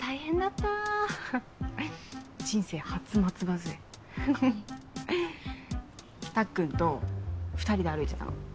たっくんと２人で歩いてたの。